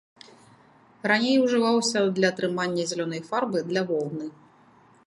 Раней ўжываўся для атрымання зялёнай фарбы для воўны.